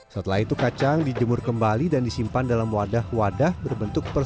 setelah itu kacang dijemur kembali dan disimpan dalam wadah wadah berbentuk